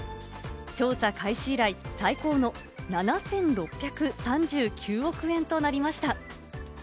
調査開始以来、最高の７６３９億円となりました。